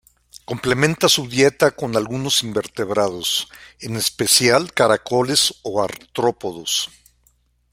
Complementa su dieta con algunos invertebrados, en especial, caracoles o artrópodos.